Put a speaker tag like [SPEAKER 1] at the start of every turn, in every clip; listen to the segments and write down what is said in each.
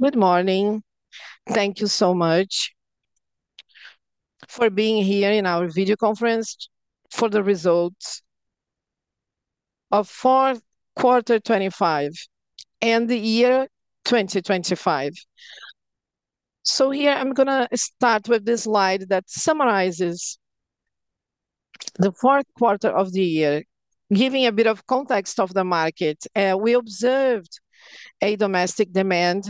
[SPEAKER 1] Good morning. Thank you so much for being here in our video conference for the results of Q4 2025, and the year 2025. Here, I'm gonna start with this slide that summarizes the Q4 of the year, giving a bit of context of the market. We observed a domestic demand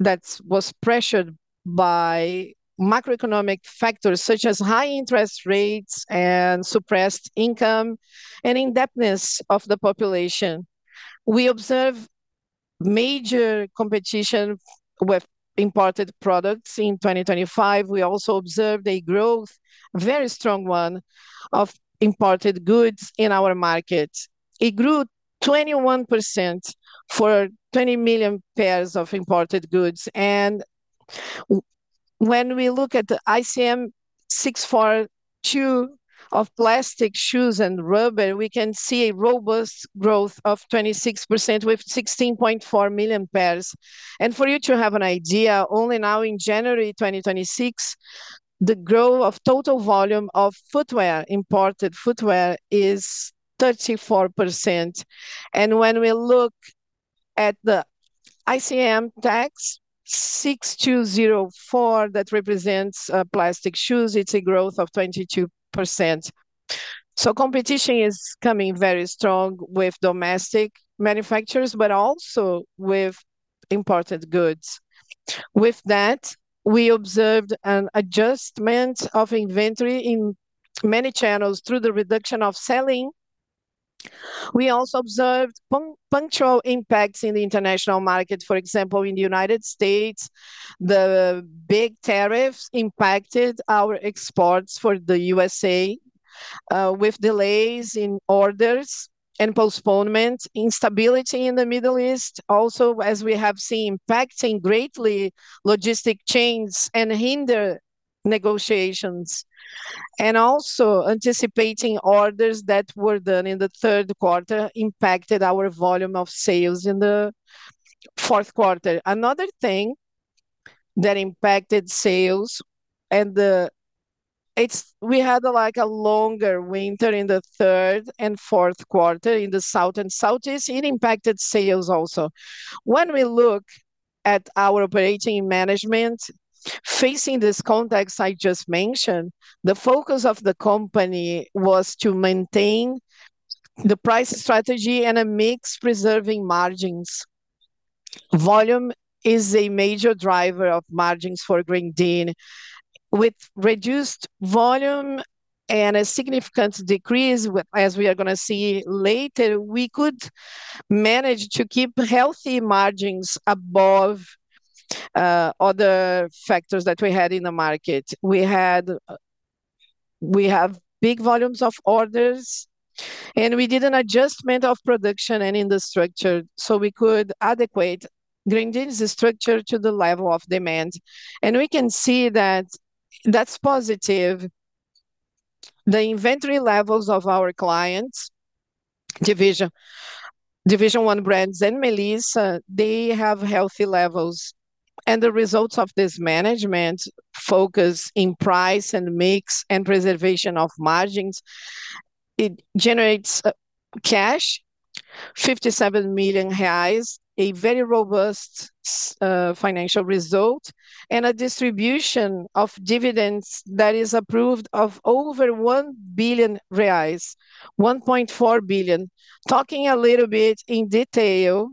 [SPEAKER 1] that was pressured by macroeconomic factors such as high interest rates and suppressed income, and indebtedness of the population. We observe major competition with imported products in 2025. We also observed a growth, very strong one, of imported goods in our market. It grew 21% for 20 million pairs of imported goods. When we look at the NCM 6402 of plastic shoes and rubber, we can see a robust growth of 26% with 16.4 million pairs. For you to have an idea, only now in January 2026, the growth of total volume of footwear, imported footwear, is 34%. When we look at the ICM tax 6204 that represents plastic shoes, it's a growth of 22%. Competition is coming very strong with domestic manufacturers, but also with imported goods. With that, we observed an adjustment of inventory in many channels through the reduction of selling. We also observed punctual impacts in the international market. For example, in the United States, the big tariffs impacted our exports for the USA, with delays in orders and postponement. Instability in the Middle East also as we have seen impacting greatly logistic chains and hinder negotiations. Also anticipating orders that were done in the third quarter impacted our volume of sales in the fourth quarter. Another thing that impacted sales and the... We had, like, a longer winter in the third and fourth quarter in the South and Southeast. It impacted sales also. When we look at our operating management, facing this context I just mentioned, the focus of the company was to maintain the price strategy and a mix preserving margins. Volume is a major driver of margins for Grendene. With reduced volume and a significant decrease as we are gonna see later, we could manage to keep healthy margins above other factors that we had in the market. We have big volumes of orders, and we did an adjustment of production and in the structure, so we could adequate Grendene's structure to the level of demand. We can see that that's positive. The inventory levels of our clients, Division One brands and Melissa, they have healthy levels. The results of this management focus in price and mix and preservation of margins, it generates cash, 57 million reais, a very robust financial result, and a distribution of dividends that is approved of over 1 billion reais, 1.4 billion. Talking a little bit in detail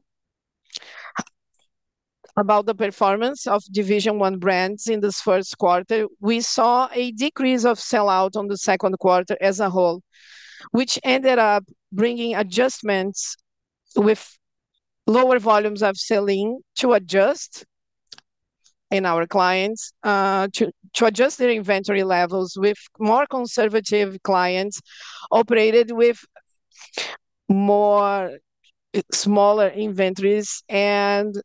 [SPEAKER 1] about the performance of Division One brands in this first quarter, we saw a decrease of sell-out on the second quarter as a whole, which ended up bringing adjustments with lower volumes of selling to adjust in our clients, to adjust their inventory levels with more conservative clients operated with more smaller inventories and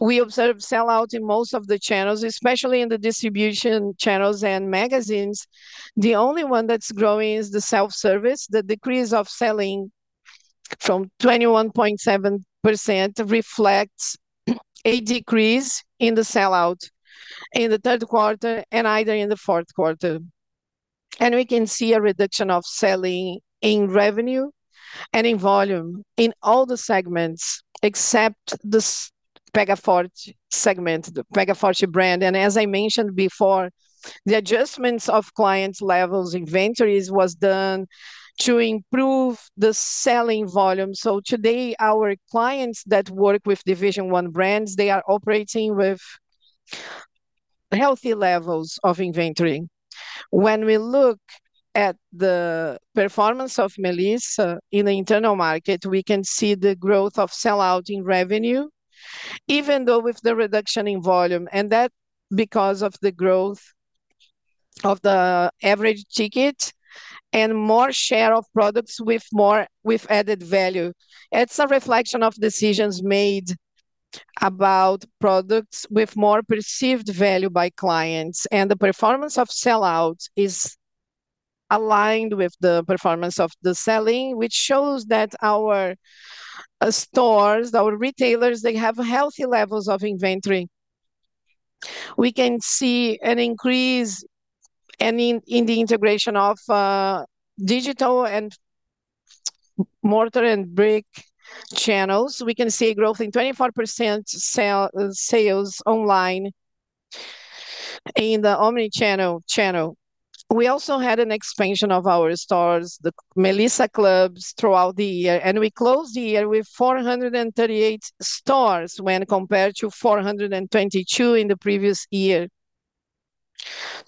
[SPEAKER 1] we observed sell-out in most of the channels, especially in the distribution channels and magazines. The only one that's growing is the self-service. The decrease of selling from 21.7% reflects a decrease in the sell-out in the third quarter and either in the fourth quarter. We can see a reduction of selling in revenue and in volume in all the segments, except the Pega Forte segment, the Pega Forte brand. As I mentioned before, the adjustments of clients levels inventories was done to improve the selling volume. Today, our clients that work with Division One brands, they are operating with healthy levels of inventory. When we look at the performance of Melissa in the internal market, we can see the growth of sell-out in revenue, even though with the reduction in volume, and that because of the growth of the average ticket and more share of products with added value. It's a reflection of decisions made about products with more perceived value by clients, the performance of sell-out is aligned with the performance of the selling, which shows that our stores, our retailers, they have healthy levels of inventory. We can see an increase in the integration of digital and mortar and brick channels. We can see a growth in 24% sales online in the omnichannel. We also had an expansion of our stores, the Melissa clubs throughout the year, we closed the year with 438 stores when compared to 422 in the previous year.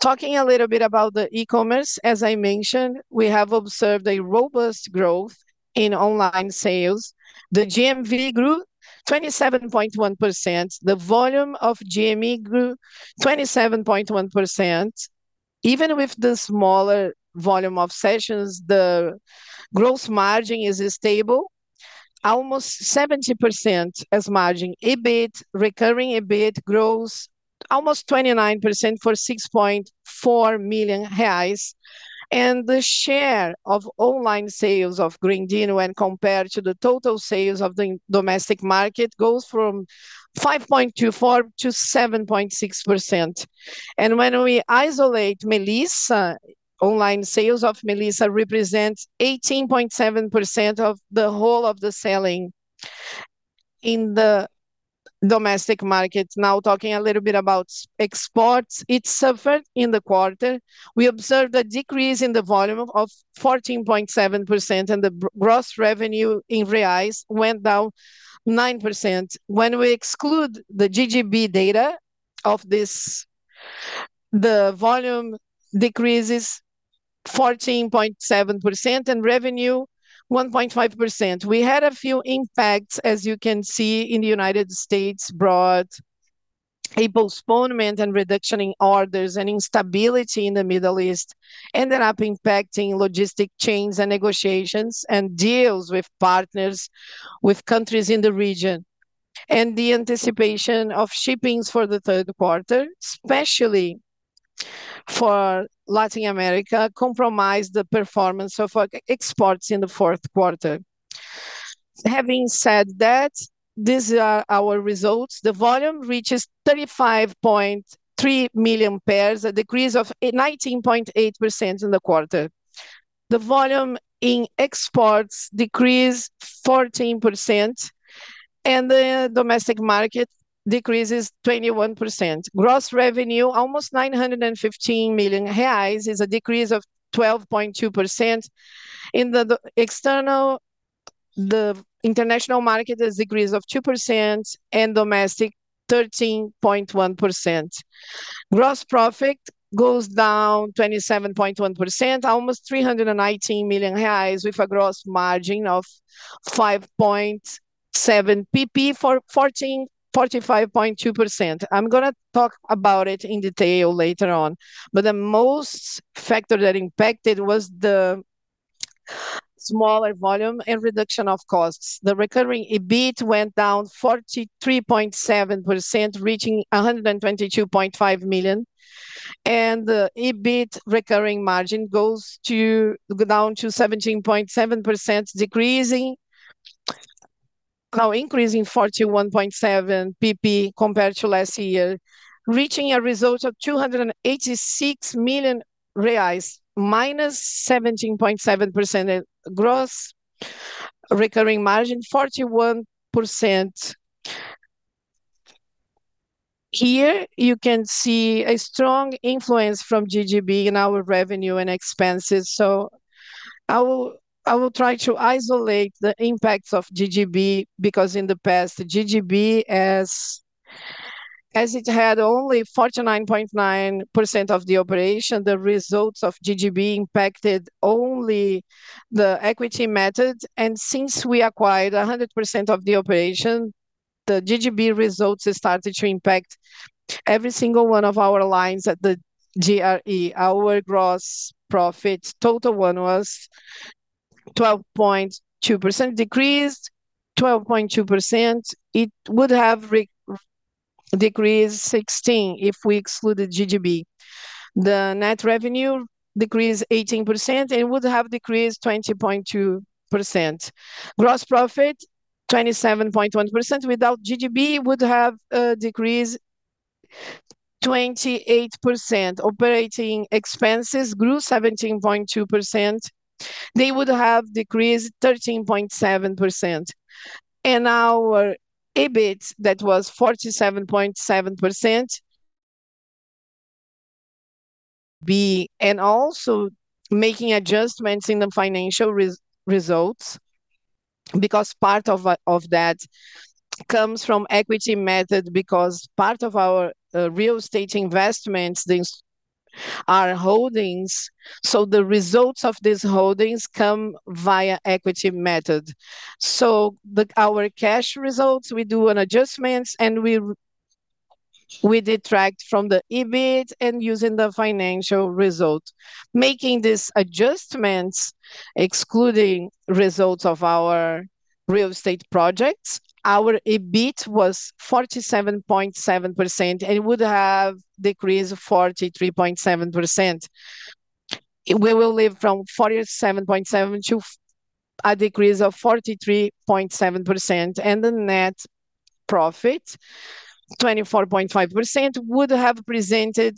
[SPEAKER 1] Talking a little bit about the e-commerce, as I mentioned, we have observed a robust growth in online sales. The GMV grew 27.1%. The volume of GME grew 27.1%. Even with the smaller volume of sessions, the gross margin is stable, almost 70% as margin. EBIT, recurring EBIT grows almost 29% for 6.4 million reais. The share of online sales of Grendene when compared to the total sales of the domestic market goes from 5.24%-7.6%. When we isolate Melissa, online sales of Melissa represents 18.7% of the whole of the selling in the domestic market. Now talking a little bit about exports, it suffered in the quarter. We observed a decrease in the volume of 14.7% and the gross revenue in reais went down 9%. When we exclude the GGB data of this, the volume decreases 14.7% and revenue 1.5%. We had a few impacts, as you can see, in the United States brought a postponement and reduction in orders and instability in the Middle East ended up impacting logistic chains and negotiations and deals with partners with countries in the region. The anticipation of shippings for the third quarter, especially for Latin America, compromised the performance of e-exports in the fourth quarter. Having said that, these are our results. The volume reaches 35.3 million pairs, a decrease of 19.8% in the quarter. The volume in exports decrease 14% and the domestic market decreases 21%. Gross revenue, almost 915 million reais, is a decrease of 12.2%. In the international market, there's decrease of 2% and domestic, 13.1%. Gross profit goes down 27.1%, almost 319 million reais with a gross margin of 5.7 PP for 45.2%. I'm gonna talk about it in detail later on, but the most factor that impacted was the smaller volume and reduction of costs. The recurring EBIT went down 43.7%, reaching 122.5 million. The EBIT recurring margin go down to 17.7%, increasing 41.7 PP compared to last year, reaching a result of 286 million reais, -17.7% gross recurring margin, 41%. Here you can see a strong influence from GGB in our revenue and expenses. I will try to isolate the impacts of GGB because in the past, GGB as it had only 49.9% of the operation, the results of GGB impacted only the equity method. Since we acquired 100% of the operation, the GGB results started to impact every single one of our lines at the GRE. Our gross profit, total one was 12.2% decreased. 12.2%, it would have re-decreased 16% if we excluded GGB. The net revenue decreased 18%. It would have decreased 20.2%. Gross profit, 27.1%. Without GGB, it would have decreased 28%. Operating expenses grew 17.2%. They would have decreased 13.7%. Our EBIT that was 47.7%. Also making adjustments in the financial results because part of that comes from equity method, because part of our real estate investments, these are holdings. The results of these holdings come via equity method. Our cash results, we do an adjustments, and we detract from the EBIT and using the financial result. Making these adjustments, excluding results of our real estate projects. Our EBIT was 47.7%, and it would have decreased 43.7%. We will leave from 47.7% to a decrease of 43.7%, and the net profit, 24.5%, would have presented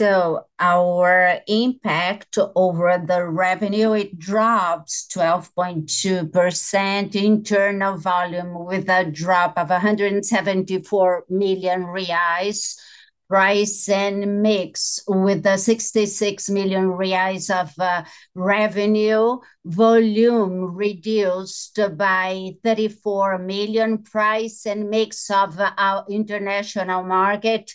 [SPEAKER 1] 17.7%. Our impact over the revenue, it dropped 12.2% internal volume with a drop of 174 million reais. Price and mix with the 66 million reais of revenue. Volume reduced by 34 million. Price and mix of our international market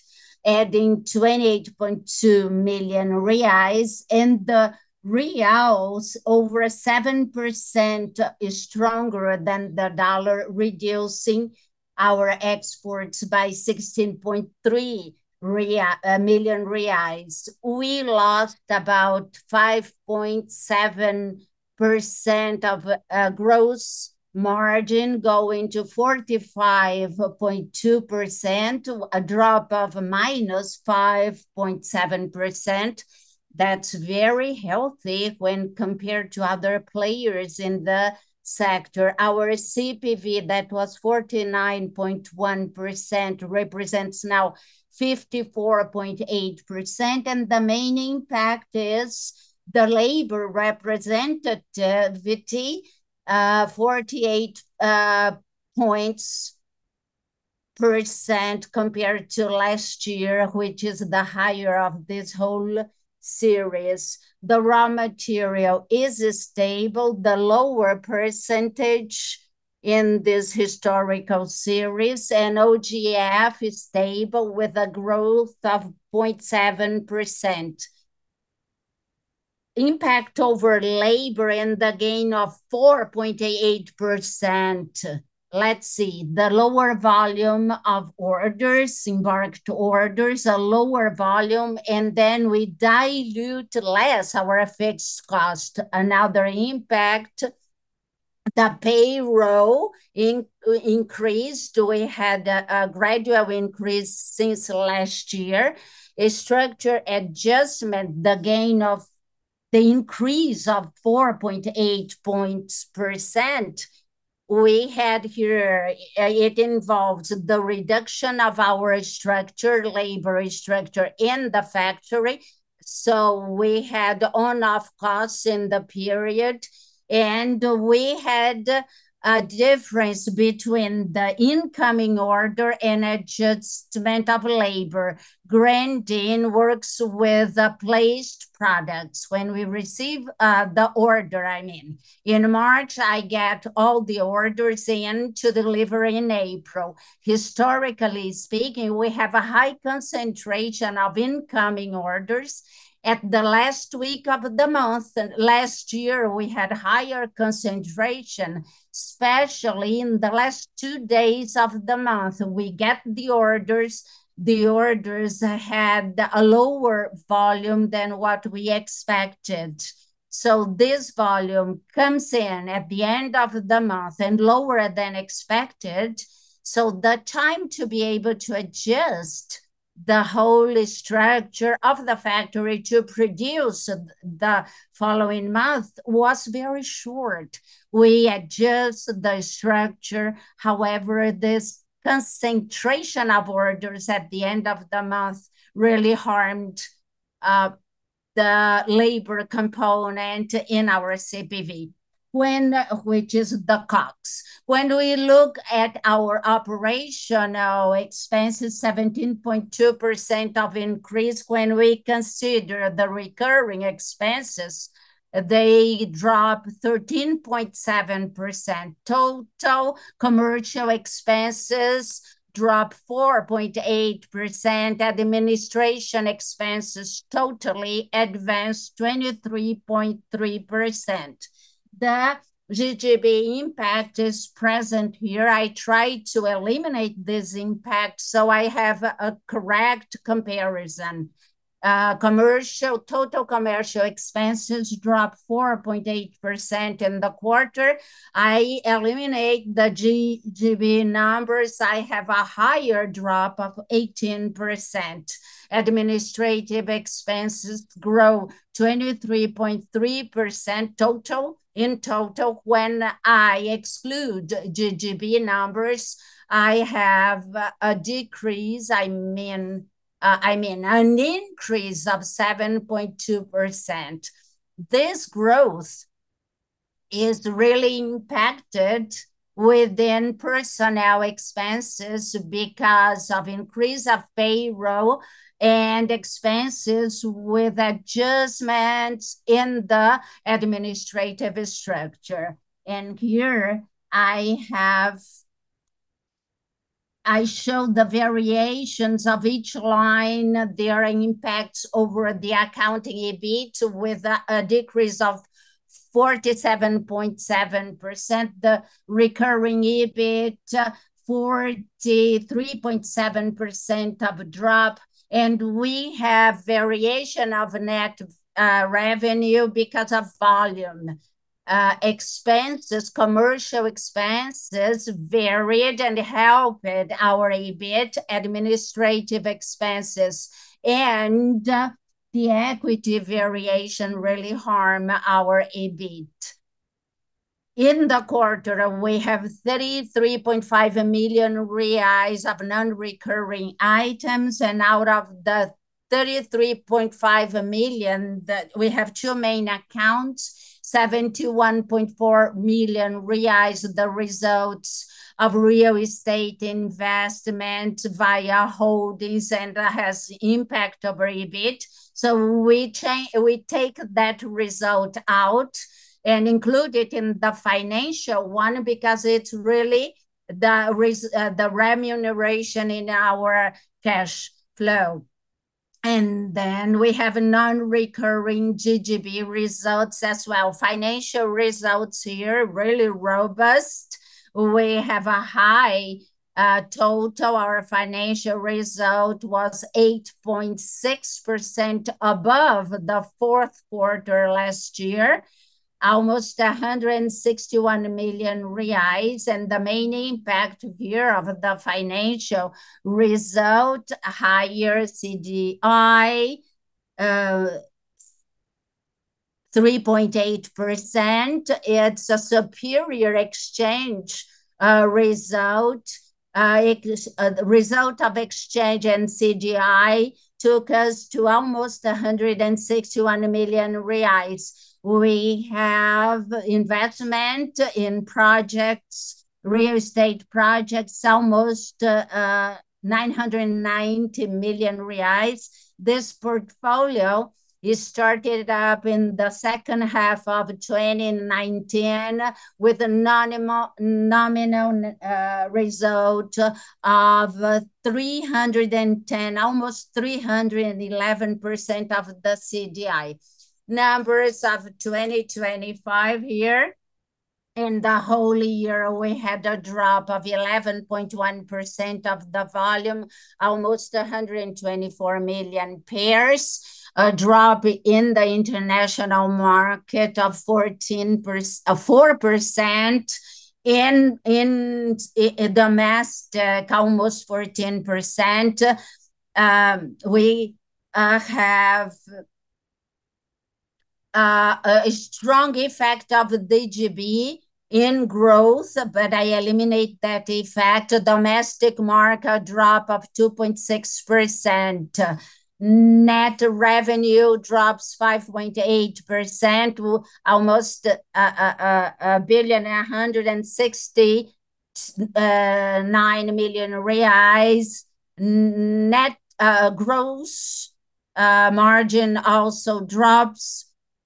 [SPEAKER 1] adding 28.2 million reais. The Reais, over 7% is stronger than the dollar, reducing our exports by 16.3 million reais. We lost about 5.7% of gross margin, going to 45.2%, a drop of -5.7%. That's very healthy when compared to other players in the sector. Our CPV, that was 49.1%, represents now 54.8%, the main impact is the labor representativity, 4.8% compared to last year, which is the higher of this whole series. The raw material is stable. The lower percentage in this historical series. OGF is stable with a growth of 0.7%. Impact over labor and the gain of 4.8%. Let's see. The lower volume of orders, embark to orders, a lower volume, and then we dilute less our fixed cost. Another impact, the payroll increased. We had a gradual increase since last year. A structure adjustment, the increase of 4.8% we had here, it involves the reduction of our structure, labor structure in the factory. We had on/off costs in the period, and we had a difference between the incoming order and adjustment of labor. Grendene works with placed products when we receive the order, I mean. In March, I get all the orders in to deliver in April. Historically speaking, we have a high concentration of incoming orders at the last week of the month. Last year we had higher concentration, especially in the last two days of the month. We get the orders. The orders had a lower volume than what we expected. This volume comes in at the end of the month and lower than expected. The time to be able to adjust the whole structure of the factory to produce the following month was very short. We adjust the structure. However, this concentration of orders at the end of the month really harmed the labor component in our CPV Which is the COGS. We look at our operational expenses, 17.2% of increase when we consider the recurring expenses. They drop 13.7%. Total commercial expenses drop 4.8%. Administration expenses totally advanced 23.3%. The GGB impact is present here. I tried to eliminate this impact, so I have a correct comparison. Commercial, total commercial expenses dropped 4.8% in the quarter. I eliminate the GGB numbers, I have a higher drop of 18%. Administrative expenses grow 23.3% total. In total, when I exclude GGB numbers, I have a decrease. I mean, I mean, an increase of 7.2%. This growth is really impacted within personnel expenses because of increase of payroll and expenses with adjustments in the administrative structure. Here I show the variations of each line. There are impacts over the accounting EBIT with a decrease of 47.7%. The recurring EBIT, 43.7% of drop. We have variation of net revenue because of volume. Expenses, commercial expenses varied and helped our EBIT. Administrative expenses and the equity variation really harm our EBIT. In the quarter, we have 33.5 million reais of non-recurring items. Out of the 33.5 million, we have two main accounts. 71.4 million reais, the results of real estate investment via holdings. That has impact of EBIT. We take that result out and include it in the financial one because it's really the remuneration in our cash flow. We have non-recurring GGB results as well. Financial results here, really robust. We have a high total. Our financial result was 8.6% above the fourth quarter last year. Almost 161 million reais. The main impact here of the financial result, higher CDI, 3.8%. It's a superior exchange result. The result of exchange and CDI took us to almost 161 million reais. We have investment in projects, real estate projects, almost 990 million reais. This portfolio is started up in the second half of 2019 with a nominal result of 310%, almost 311% of the CDI. Numbers of 2025 here. In the whole year, we had a drop of 11.1% of the volume, almost 124 million pairs. A drop in the international market of 4%. In domestic, almost 14%. We have a strong effect of the GGB in growth, but I eliminate that effect. Domestic market drop of 2.6%. Net revenue drops 5.8%. Almost 1,169 million reais. Net gross margin also drops.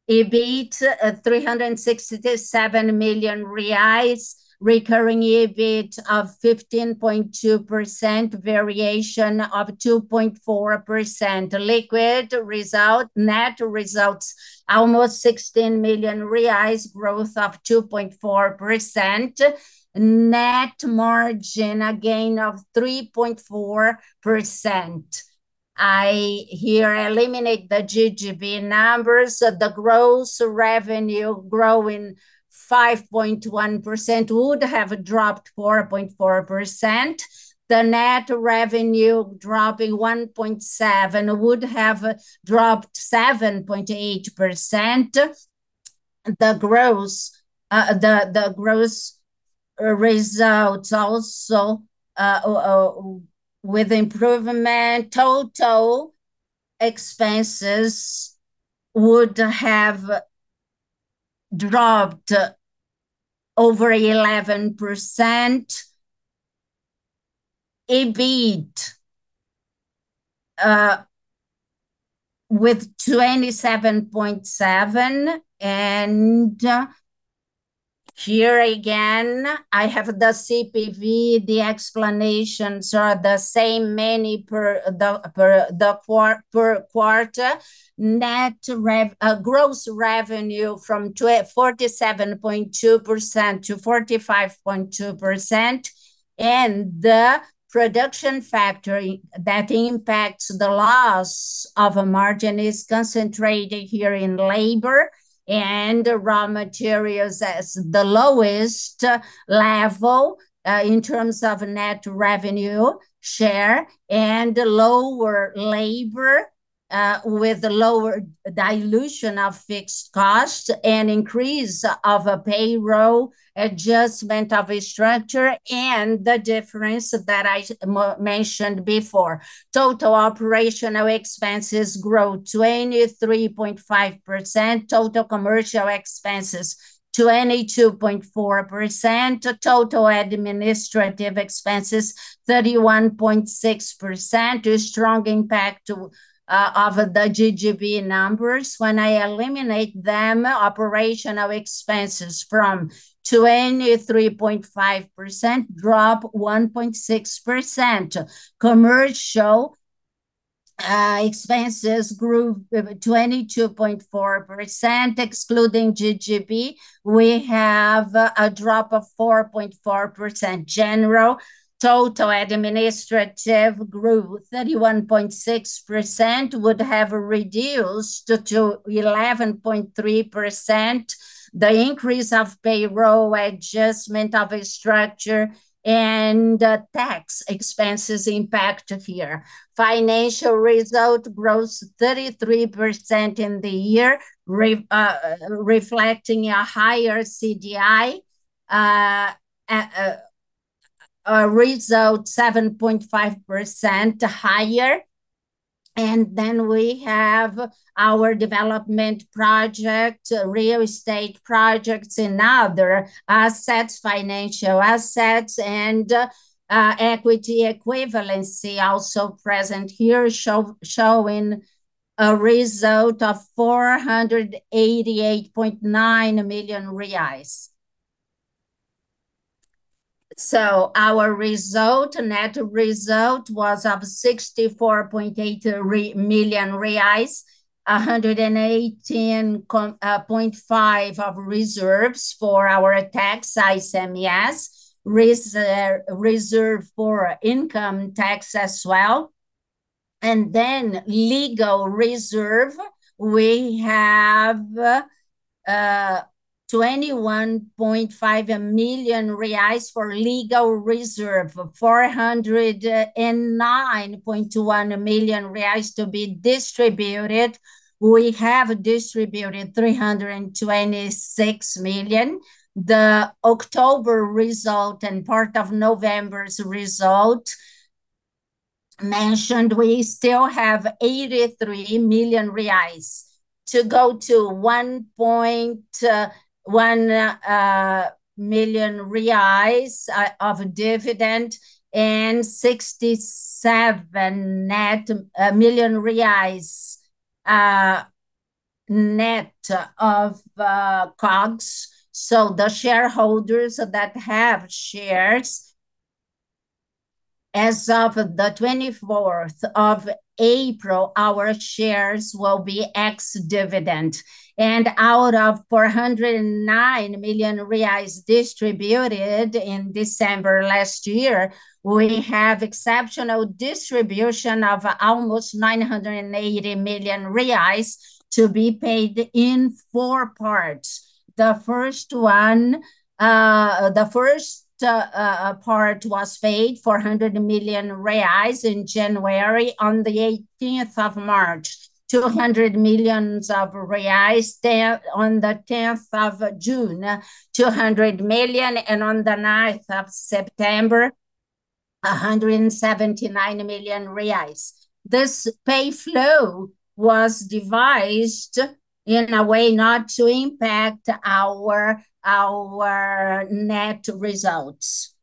[SPEAKER 1] EBIT 367 million reais. Recurring EBIT of 15.2%. Variation of 2.4%. Liquid result, net results almost 16 million reais. Growth of 2.4%. Net margin, a gain of 3.4%. I here eliminate the GGB numbers. The gross revenue growing 5.1% would have dropped 4.4%. The net revenue dropping 1.7% would have dropped 7.8%. The gross results also with improvement. Total expenses would have dropped over 11%. EBIT with 27.7%. Here again, I have the CPV. The explanations are the same, mainly per quarter. Gross revenue from 47.2%-45.2%. The production factor that impacts the loss of a margin is concentrated here in labor and raw materials as the lowest level in terms of net revenue share. Lower labor with lower dilution of fixed costs and increase of payroll, adjustment of structure, and the difference that I mentioned before. Total operational expenses grow 23.5%. Total commercial expenses, 22.4%. Total administrative expenses, 31.6%. A strong impact of the GGB numbers. When I eliminate them, operational expenses from 23.5% drop 1.6%. Commercial expenses grew with 22.4%, excluding GGB. We have a drop of 4.4%. General, total administrative grew 31.6%, would have reduced to 11.3%. The increase of payroll adjustment of a structure and tax expenses impact here. Financial result grows 33% in the year reflecting a higher CDI, result 7.5% higher. We have our development project, real estate projects and other assets, financial assets and equity equivalency also present here showing a result of 488.9 million reais. Our result, net result was of 64.8 million reais, 118.5 of reserves for our tax ICMS, reserve for income tax as well. Legal reserve, we have 21.5 million reais for legal reserve. 409.1 million reais to be distributed. We have distributed 326 million. The October result and part of November's result mentioned we still have 83 million reais. To go to 1.1 million reais of dividend and 67 net million net of COGS. The shareholders that have shares, as of the 24th of April, our shares will be ex-dividend. Out of 409 million reais distributed in December last year, we have exceptional distribution of almost 980 million reais to be paid in four parts. The 1st part was paid, 400 million reais in January. On the 18th of March, 200 million reais. On the 10th of June, 200 million, and on the 9th of September, 179 million reais. This pay flow was devised in a way not to impact our net results.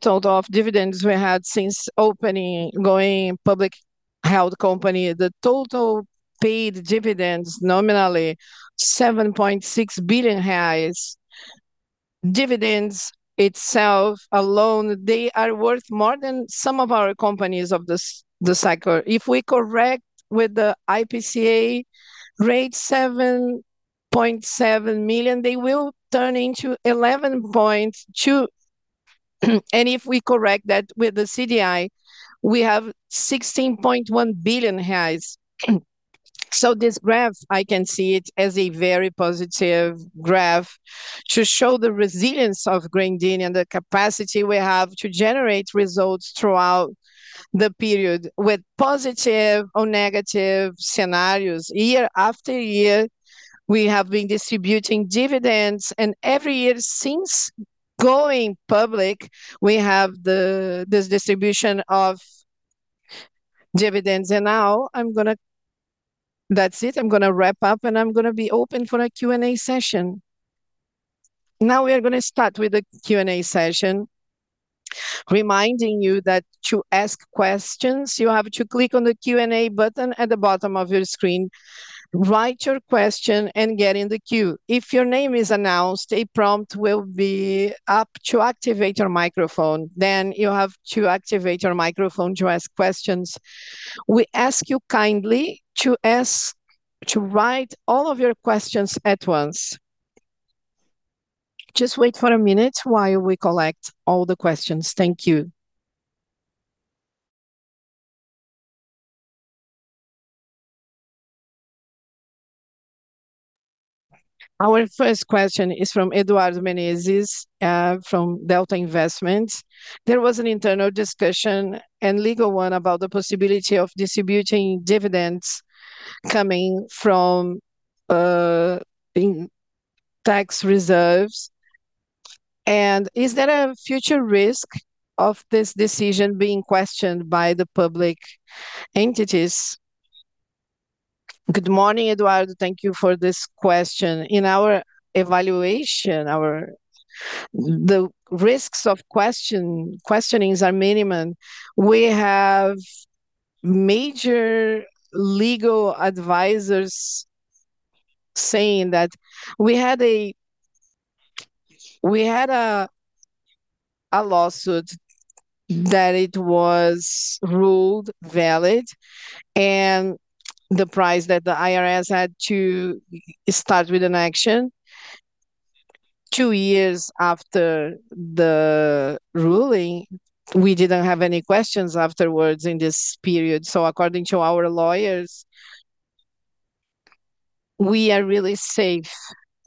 [SPEAKER 1] Total of dividends we had since opening, going public health company. The total paid dividends nominally 7.6 billion reais. Dividends itself alone, they are worth more than some of our companies of this cycle. If we correct with the IPCA rate 7.7 million, they will turn into 11.2 million. If we correct that with the CDI, we have 16.1 billion reais. This graph, I can see it as a very positive graph to show the resilience of Grendene and the capacity we have to generate results throughout the period with positive or negative scenarios. Year after year, we have been distributing dividends, and every year since going public, we have this distribution of dividends. That's it. I'm gonna wrap up, and I'm gonna be open for a Q&A session.
[SPEAKER 2] Now we are gonna start with the Q&A session, reminding you that to ask questions, you have to click on the Q&A button at the bottom of your screen, write your question, and get in the queue. If your name is announced, a prompt will be up to activate your microphone, then you have to activate your microphone to ask questions. We ask you kindly to write all of your questions at once. Just wait for a minute while we collect all the questions. Thank you. Our first question is from Eduardo Menezes from Delta Asset Management.
[SPEAKER 3] There was an internal discussion and legal one about the possibility of distributing dividends coming from in tax reserves. Is there a future risk of this decision being questioned by the public entities?
[SPEAKER 1] Good morning, Eduardo. Thank you for this question. In our evaluation, our, the risks of question, questionings are minimum. We have major legal advisors. Saying that we had a, we had a lawsuit that it was ruled valid, and the price that the IRS had to start with an action two years after the ruling. We didn't have any questions afterwards in this period. According to our lawyers, we are really safe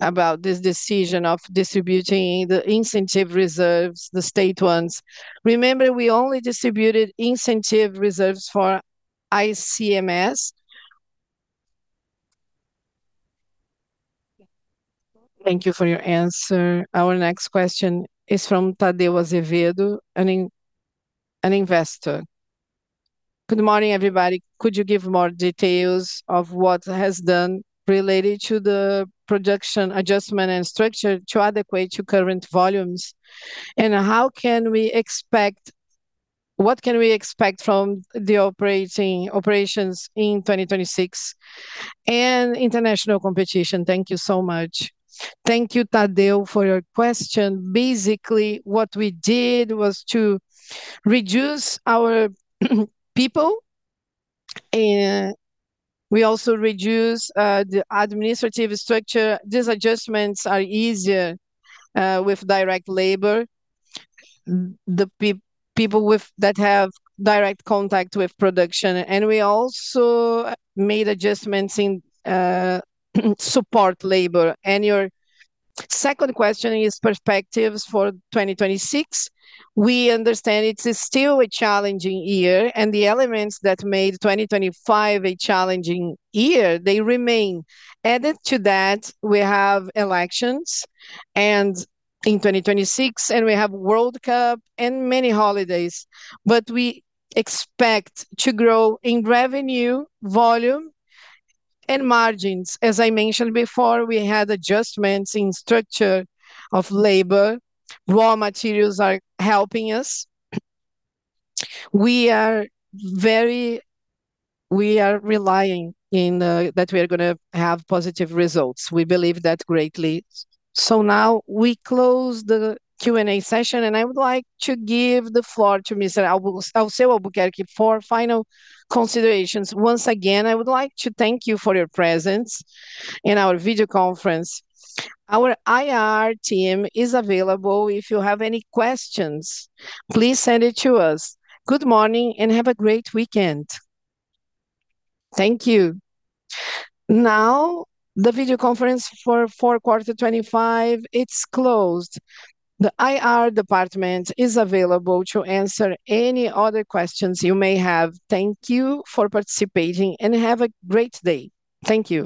[SPEAKER 1] about this decision of distributing the incentive reserves, the state ones. Remember, we only distributed incentive reserves for ICMS.
[SPEAKER 3] Thank you for your answer.
[SPEAKER 2] Our next question is from Taddeo Azevedo, an investor.
[SPEAKER 4] Good morning, everybody. Could you give more details of what has done related to the production adjustment and structure to adequate to current volumes? What can we expect from the operating operations in 2026 and international competition? Thank you so much.
[SPEAKER 1] Thank you, Tadeo, for your question. Basically, what we did was to reduce our people, we also reduced the administrative structure. These adjustments are easier with direct labor. The people with, that have direct contact with production, we also made adjustments in support labor. Your second question is perspectives for 2026. We understand it's still a challenging year, the elements that made 2025 a challenging year, they remain. Added to that, we have elections and, in 2026, we have World Cup and many holidays. We expect to grow in revenue, volume, and margins. As I mentioned before, we had adjustments in structure of labor. Raw materials are helping us. We are relying in that we are gonna have positive results. We believe that greatly.
[SPEAKER 2] Now we close the Q&A session, and I would like to give the floor to Mr. Alceu Demartini de Albuquerque for final considerations.
[SPEAKER 1] Once again, I would like to thank you for your presence in our video conference. Our IR team is available if you have any questions. Please send it to us.
[SPEAKER 2] Good morning and have a great weekend. Thank you. The video conference for quarter 25, it's closed. The IR department is available to answer any other questions you may have. Thank you for participating and have a great day. Thank you.